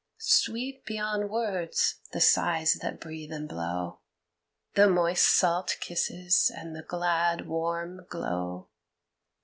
Sweet beyond words the sighs that breathe and blow, The moist salt kisses, and the glad warm glow.